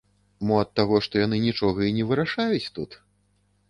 Мо ад таго што яны нічога і не вырашаюць тут.?